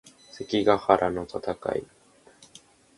関ヶ原の戦い